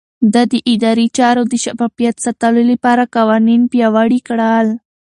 ده د ادارې چارو د شفافيت ساتلو لپاره قوانين پياوړي کړل.